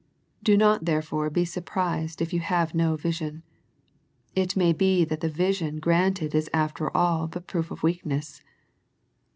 Do not therefore be surprised if you have no vision. It may be that the vision granted is after all but proof of weakness.